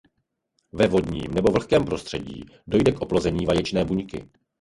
Ve vodním nebo vlhkém prostředí dojde k oplození vaječné buňky.